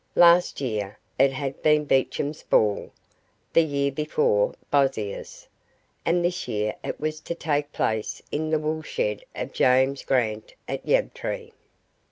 Last year it had been Beecham's ball, the year before Bossier's, and this year it was to take place in the woolshed of James Grant of Yabtree.